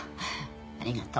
ありがとう。